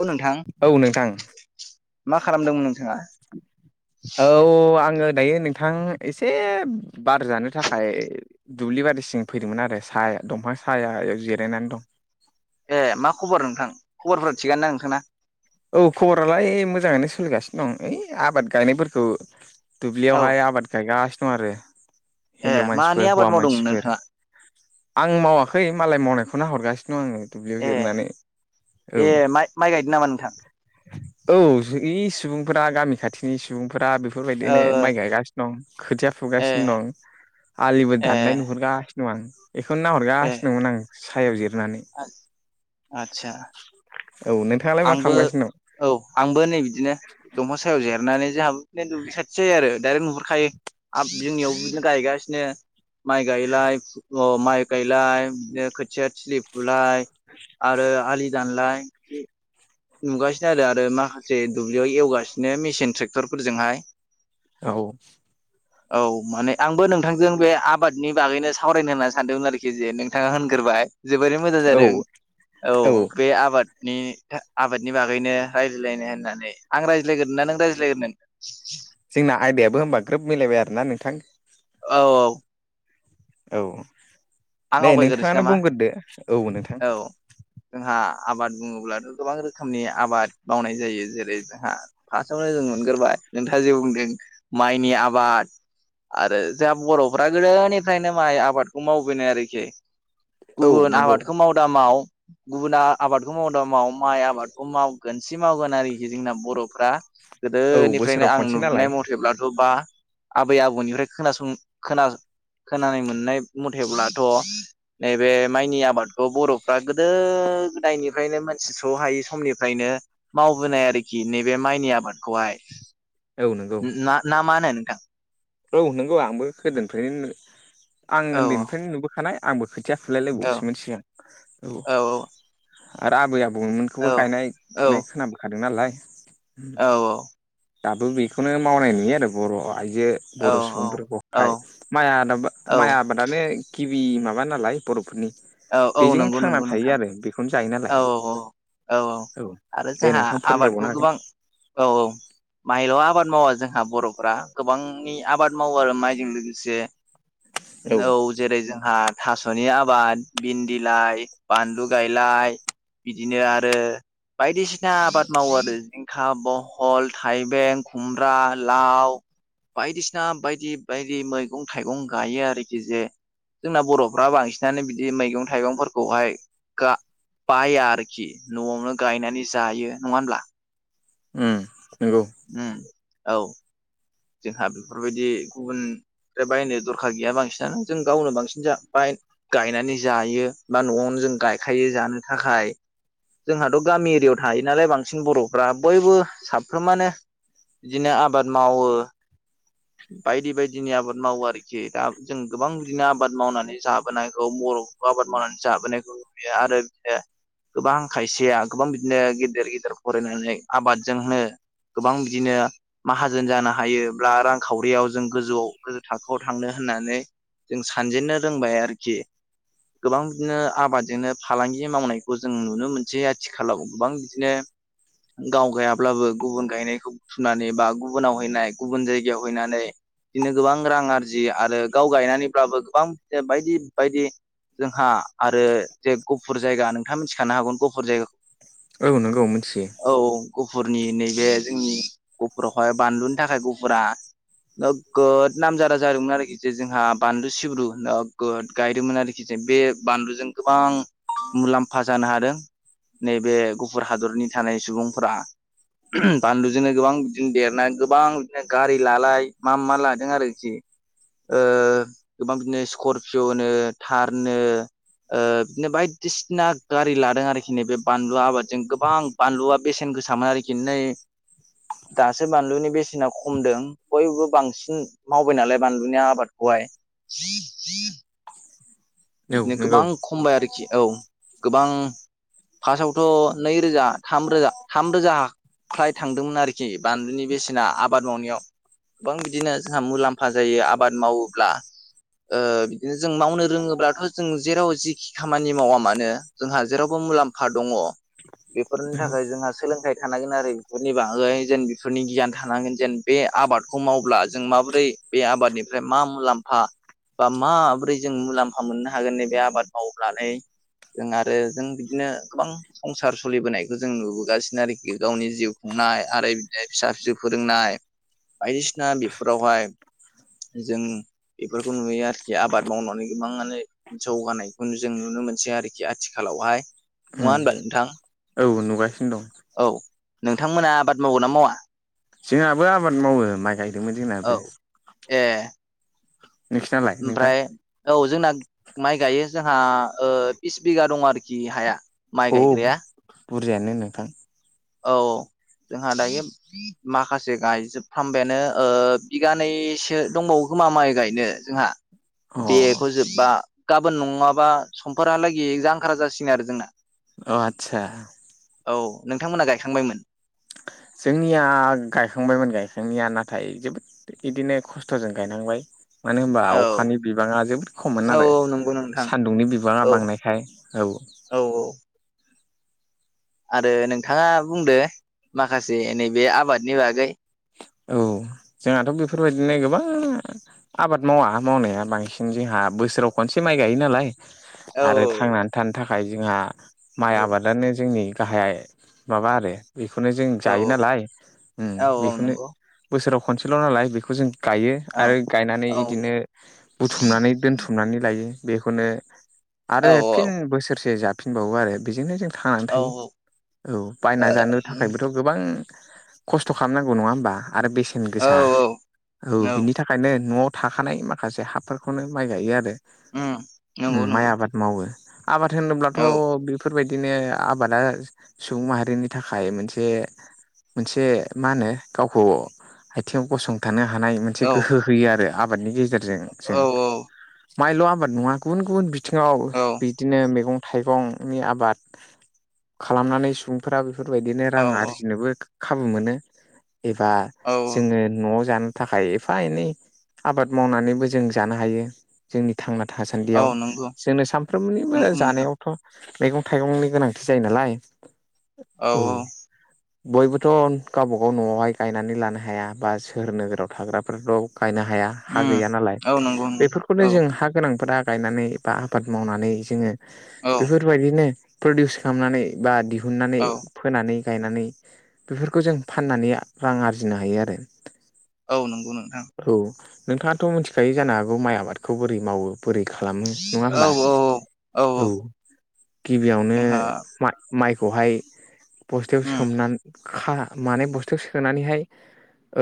औ नोंथां औ नोंथां मा खालामदोंमोन नोंथाङा औ आंङो दायो नोंथां एसे बार जानो थाखाय दुब्लि बारिसिं फैदोंमोन आरो साहाया दंफां सायाया जिरायनानै दं ए मा खबर नोंथां खबरफोरा थिगानो दा नोंथांना औ खबरालाय मोजांङैनो सोलिगासिनो दं ओइ आबाद गायनायफोरखौ औ दुब्लियावहाय आबाद गायगासिनो दं आरो ए हिनजाव मानि मानसिफोर आबाद हौवा मावदोंमोन मानसिफोर नोंथाङा आं मावाखै मालाय मावनायखौ न हरगासिनो दं आंङो दुब्लियाव ए जिरनानै ए औ माइ माइ गायदों नामा नोंथां औ सुबुंफोरा गामि खाथिनि सुबुंफोरा ओ बेफोरबायदिनो माइ गायगासिनो दं खोथिया ए फुगासिनो दं आलिबो ए दाननाय नुहुरगासिनो दं आं बेखौनो नाहरगासिनो दंमोन आं सायाव जिरनानै आतसा औ नोंथां आंबो औ आंबो नै बिदिनो दंफां सायाव जेरनानै जोंहाबो बिदिनो दुब्लि सा सै आरो दडाइरेक्ट नुहुरखायो जोंनियावबो बिदिनो गायगासिनो माइ गायलाय अ माइ गायलाय बिदिनो खोथिया थिलि फुलाय आरो आलि दानलाय नुगासिनो आरो आरो माखासे दुब्लियाव एवगासिनो मेसिन ट्रेक्टरफोरजोंहाय औ [inaudible] औ माने आंबो नोंथांजों बे आबादनि बागैनो सावरायनो होननानै सानदोंमोन आरोखि जे नोंथाङा होनग्रोबाय जोबोरै मोजां जादों औ औ बे आबादनि आबादनि बागैनो रायजाय्लायनो होननानै आं रायज्लायग्रोनोना नों रायज्लायग्रोनो जोंना आयदायाबो होनबा ग्रोब मिलायबाय आरोना नोंथां औ औ औ आं दे आवगायग्रोनोसै नोंथाङानो नामा बुंग्रोदो औ नोंथां। जोंहा आबाद बुङोब्लाथ' गोबां रोखोमनि आबाद मावनाय जायो जेरै जोंहा फार्स्टआवनो जों मोनगोरोबाय नोंथाङा जे बुंदों माइनि आबाद। आरो जोंहा बर'फ्रा गोदोनिफ्रायनो माइ आबादखौ मावो। लुबैनाय आरोखि औ गुबुन नंगौ आबादखौ माव दा माव गुबुना आबादखौ माव दामाव माइ आबादखौ मावगोन सि मावगोन आरोखि जोंना बर'फ्रा औ गोदोनिफ्रायनो बोसोराव आं खनसे नालाय नुबोनाय मथेब्लाथ' बा आबै-आबौनिफ्राय खोनासं खोना- खोनानाय मोननाय मथेब्लाथ' नैबे माइनि आबादखौ बर'फ्रा गोदो-गोदायनिफ्रायनो मोनथिस' हायै समनिफ्रायनो मावबोनाय आरोखि नैबे माइनि आबादखौहाय औ नंगौ ना मा होनो नोंथां। औ नंगौ आंबो गोदोनिफ्रायनो आं औ उनदैनिफ्रायनो नुबोखानाय आंबो। खोथिया फुलाय औ लायबावोसोमोन सिगां औ आरो आबै-आबौमोन औ बेखौबो औ गायनाय-फुनाय खोनाबखादों नालाय औ औ। दाबो बेखौनो मावनाय नुयो आरो बर' आइजो औ बर' सुबुंफोरखौ औ हाय माइ औ आबाद माइ आबादानो गिबि माबा नालाय बर'फोरनि औ औ बेजोंनो नंगौ थांना नंगौ थायो नोंथां आरो बेखौनो जायो नालाय औ औ औ। औ आरो दे जोंहा नोंथां आबादखौ फोरमायबावनो हागोन गोबां औ औ माइल' आबाद मावा जोंहा बर'फ गोबांनि आबाद मावो आरो माइजों लोगोसे औ। जेरै जोंहा थास'नि आबाद भिनदि लाय बानलु गायलाय बिदिनो आरो बायदिसिना आबाद मावो आरो। जिंखा, बहल, थाइबें, खुमब्रा, लाव बायदिसिना बायदि बायदि मैगं-थाइगं गायो आरोखि जे जोंना बर'फ्रा बांसिनानो बिदि मैगं थाइगंफोरखौहाय गा बाया आरोखि न'आवनो गायनानै जायो नङा होमब्ला? ओम नंगौ। ओम औ। जोंहा बेफोर बायदि गुबुननि बायनो दरखार गैया बांसिनानो जों गावनो बांसिन जा बाय गायनानै जायो बा न'आवनो जों गायखायो जानो थाखाय। जोंहाथ' गामि एरियायाव थायो नालाय बांसिन बर'फ्रा बयबो साफ्रोमानो। बिदिनो आबाद मावो। बायदि बायदिनि आबाद मावो आरोखि दा जों गोबां बिदिनो आबाद मावनानै जाबोनायखौ बर'। आबाद मावनानै जाबोनायखौ नुयो आरो बिदिनो। गोबां खायसेया गोबां बिदिनो गिदिर गिदिर फरायनानै आबादजोंनो गोबां बिदिनो माहाजोन जानो हायोब्ला रां। खावरियाव जों गोजौआव गोजौ थाखोआव थांनो होननानै जों सानजेननो रोंबाय आरोखि गोबां बिदिनो आबादजोंनो फालांगि मावनायखौ जों नुनो मोनसै आथिखालाव गोबां बिदिनो। गाव गायाब्लाबो गुबुन गायनायखौ फुनानै बा गुबुनाव हैनाय गुबुन जायगायाव। जावहैनानै बिदिनो गोबां रां आरजियो आरो गाव गायनानैब्लाबो गोबां बि बायदि बायदि। जोंहा आरो जे गुफुर जायगा नोंथाङा मिथिखानो हागोन गुफुर जायगायाव औ नंगौ मिथियो नोंथां औ गुफुरनि नैबे जोंनि गुफुरावहाय बानलुनि थाखाय गुफुरा। नोगोद नामजादा जादोंमोन आरोखि जे जोंहा बानलु सिब्रु गोदो-गोदाय गायदोंमोन आरोखि बे बानलुजों गोबां मुलाम्फा जानो हादों। नैबे गुफुर हादरनि थानाय सुबुंफोरा बानलुजोंनो गोबां बिदिनो देरना गोबां बिदिनो गारि लालाय मा मा लादों आरोखि गोबां बिदिनो स्करपिय' नो थार नो बिदिनो बायदिसिना गारि लादों आरोखि नै बे बानलु आबादजों गोबां बानलुआ बेसेन गोसामोन आरोखि नै दासो बानलुनि बेसेना खमदों बयबो बांसिन मावबाय नालाय बानलुनि आबादखौहाय बि [inaudible] औ बिदिनो नंगौ गोबां खमायबाय आरोखि औ गोबां फार्स्टआवथ' नैरोजा थामरोजा थामरोजा ख्लाय थांदोंमोन आरोखि बानलुनि बेसेना आबाद मावनायाव गोबां बिदिनो जोंहा मुलाम्फा जायो आबाद मावोब्ला बिदिनो जों मावनो रोङोब्ला जों जेराव जिखि खामानि मावा मानो जोंहा जेरावबो मुलाम्फा दङ बेफोरनि औ थाखाय जोंहा सोलोंथाइ थानांगोन आरो बेफोरनि बागै जेन बेफोरनि गियान थानांगोन जेन बे आबादखौ मावब्ला जों माबोरै बे आबादनिफ्राय मा मुलाम्फा बा माबोरै जों मुलाम्फा मोननो हागोन नैबे आबाद मावनानै जों आरो जों बिदिनो गोबां संसार सोलिबोनायखौ जों नुबोगासिनो आरोखि गावनि जिउ खुंनाय आरो बिदिनो फिसा फिसौ फोरोंनाय बायदिसिना बेफोरावहाय जों बेफोरखौ नुयो आरोखि आबाद मावनानै गोबाङानो जौगानायखौ जों नुनो मोनसै आरोखि आथिखालावहाय नङा होनबा नोंथां ओ नोगासिनो दं औ नोंथांमोना आबाद माववो ना मावा जोंहाबो आबाद मावो माइ गायदोंमोन औ जोंनाबो ए नोंसिनालाय नोंथां ओमफ्राय औ जोंना माइ गायो जोंहा बिस बिगा दं आरोखि हाया माइ अ गायग्राया बुरजायानो नोंथां औ जोंहा दायो माखासे गायजोबफ्राम बायानो बिगानैसो दंबावो खोमा माइ गायनो जोंहा अ बेखौ जोब्बा गाबोन नङाबा समफोरहालागै जांखारा जासिगोन आरो जोंना अ आतसा औ नोंथांमोना गायखांबायमोन जोंनिया गायखांबायमोन गायखांनाया नाथाय जोबोद इदिनो खस्थ'जों गायनांबाय मानो होनबा औ अखानि बिबाङा जोबोद खममोन औ आरो औ नंगौ नोंथां सान्दुंनि बिबांडा़ औ बांनायखाय औ औ औ आरो नोंथाङा बुंदो माखासे नैबे आबादनि बागै औ जोंहाथ' बेफोरबायदिनो गोबां आबाद मावा मावनाया बांसिन जोंहा बोसोराव खनसे माइ गायो नालाय औ आरो थांनानै थानो थाखाय जोंहा माइ औ आबादानो जोंनि गाहाय माबा आरो बेखौनो जों औ जायो नालाय औ औ बेखौनो नंगौ बोसोराव खनसेल' नालाय बेखौ जों गायो औ आरो गायनानै औ बिदिनो बुथुमनानै दोनथुम [unintelligible] खुमनानै लायो बेखौनो औ आरो फिन बोसोरसे जाफिनबावो आरो बेजोंनो जों थांनानै औ थायो औ बायना जानो थाखायबोथ' गोबां खस्थ' खालामनांगौ नङा होमबा आरो बेसेन औ गोसा औ बिनि थाखायनो न'आव थाखानाय माखासे हाफोरखौनो माइ गायो आरो उम नंगौ माइ नंगौ आबाद मावो आबाद होनोब्लाथ' औ बेफोरबायदिनो आबादा सुबुं माहारिनि थाखाय मोनसे मोनसे मा होनो गाव खौ आथिङाव गसंथानो हानाय मोनसे औ गोहो होयो आरो आबादनि गेजेरजों औ जों औ माइल' आबाद नङा गुबुन गुबुन बिथिङाव औ बिदिनो मैगं थाइगंनि आबाद खालामनानै सुबुंफोरा बेफोरबायदिनो औ रां आरजिनोबो खाबु मोनो एबा औ जोङो न'आव जानो थाखाय एफा एनै आबाद मावनानैबो जों जानो हायो। जोंनि थांना औ थासान्दियाव नंगौ जोंनो सानफ्रोमनिबो नंगौ नोंथां जानायावथ' मैगं थाइगंनि गोनांथि जायो नालाय औ बयबोथ' गावबा गाव न'आवहाय गायनानै लानो हाया बा सहोर नोगोराव थाग्राफोरथ' गायनो हाया हा उम गैया नालाय औ नंगौ नोंथां बेफोरखौनो औ जों हा गोनांफोरा गायनानै बा आबाद मावनानै जोङो औ बेफोरबायदिनो प्रदिउस खालामनानै बा दिहुननानै औ फोनानै गायनानै बेफोरखौ जों फाननानै रां आरजिनो हायो आरो। औ नंगौ नोंथां औ नोंथाङाथ' मिथिखायो जानो हागौ माइ आबादखौ बोरै मावो बोरै खालामो नङा औ होनबा औ गिबियावनो जोंहा मा माइखौहाय बस्थायाव उम सोमनानै खा माने बस्थायाव सोम सोनानैहाय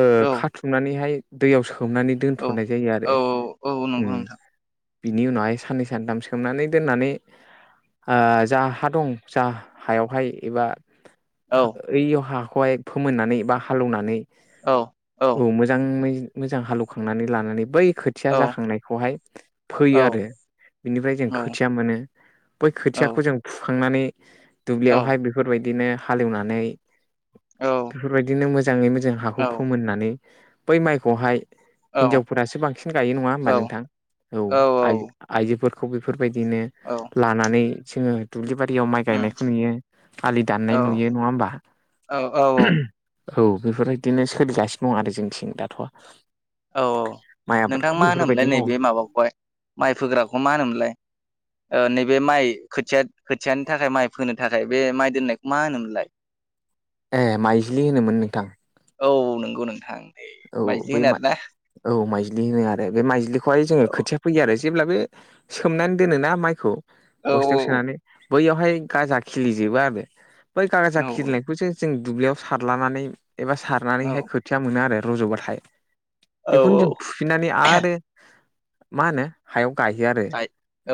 ओ औ खाथुमनानैहाय दैयाव सोमनानै औ दोनथ'नाय जायो औ आरो औ नंगौ उम नोंथां बिनि उनावहाय साननै सानथाम सोमनानै दोननानै ओ जा हा दं जा हायावहाय एबा औ ओइ हाखौहाय फोमोननानै बा हालौनानै औ औ मोजाङै मोजां हालौवखांनानै लानानै बै खोथि खोथिया औ जाखांनायखौहाय औ फैयो आरो। बिनिफ्राय जों खोथिया मोनो बै औ खोथियावखौ जों फुखांनानै दुब्लियावहाय बे बेफोरबायदिनो हालेवनानै औ बेफोरबायदिनो मोजाङै मोजां हाखौ उम फोमोननानै बै माइखौहाय औ हिनजावफोरासो बांसिन गायो नङा होमबा नोंथां औ आय आइजोफोरखौ बेफोरबायदिनो लानानै जोङो दुब्लि बारियाव माइ गायनायखौ नुयो आलि दान्नाय नुयो नङा होमबा? औ [unintelligible] औ बेफोरबायदिनो सोलिगासिनो दं आरो जोंथिं दाथ' औ औ माइ नोंथां आबादखौ मा बेफोरबायदि होनोमोनलाय मावो नैबे माबाखौहाय माइ फोग्राखौ मा होनोमोनलाय? ओ नैबे माइ खोथिया खोथियानि थाखाय माइ फोनो थाखाय बे माइ दोननायखौ मा होनोमोनलाय? [inaudible] ए माइजलि होनोमोन नोंथां। औ नंगौ नोंथां। नै औ माइज्लि बै होनो आरोना औ माइज्लि होनो आरो बे माइज्लिखौहाय जो औ खोथि फैयो आरो जेब्लाबो सोमनानै दोनोना माइखौ औ बस्थायाव सोनानै बैयावहाय गाजा खिलिजोबो आरो बै गाजा खिलिनायखौसो जों दुब्लियाव सारलानानै एबा सारनानैहाय खोथिया मोनो आरो रज'बाथाय औ बेखौनो औ जों फुफिननानै आरो मा होनो हायाव गायो आरो गाय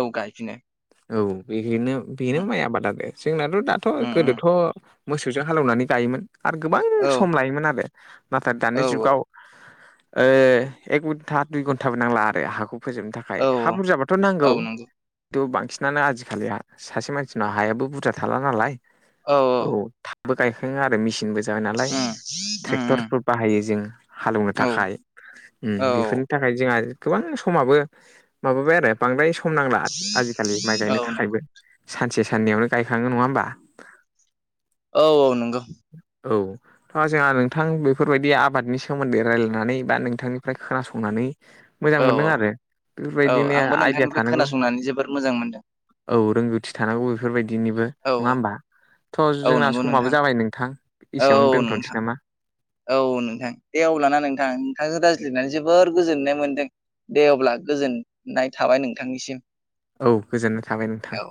औ गायफिनो औ बेनो बेनो माइ आबाद आरो जोंनाथ' दाथ' उम उम गोदोथ' मोसौजों हालेवनानै गायोमोन आरो गोबां औ सम लायोमोन आरो नाथाय दानि औ जुग एक घन्टा दुइ घन्टाबो नांला आरो हाखौ फोजोबनो थाखाय औ थाखाय हा बुरजाबाथ' औ नांगौ। नंगौ थि' बांसिनानो आजिखालि सासे मानसिनाव हायाबो बुरजा थाला नालाय औ थाबबो गायखाङो आरो मेसिनबो जाबाय नालाय उम उम ट्रेक्टरफोर बाहायो जों हालौवनो उम थाखाय औ उम बेफोरनि थाखाय जोंहा गोबां समाबो माबाबाय आरो बांद्राय सम नांला आजिखालि माइ औ गायनो नंगौ थाखायबो सानसे साननैयावनो गायखाङो नङा होमबा? औ औ नंगौ। औ थ जोंहा नोंथां बेफोरबायदि आबादनि सोमोन्दै रायलायनानै बा नोंथांनिफ्राय खोनासंनानै मोजां औ मोनदों औ आरो औ बेफोरबायदिनो आंबो आइडिया नोंथांनिफ्राय थानांगौ। खोनासंनानै जोबोद मोजां मोनदों औ रोंगौथि थानांगौ बिफोरबायदिनिबो। औ नङा औ होमबा? थ' औ जोंना नंगौ नोंथां समाबो जाबाय नोंथां औ एसेयावनो औ दोनथ'नोसै नोंथां नामा? औ नोंथां दे अब्लाना नोंथां नोंथांजों रायज्लायनानै जोबोर गोजोननाय मोनदों। दे अब्ला गोजोननाय थाबाय नोंथांनिसिम। औ गोजोननाय थाबाय नोंथां। औ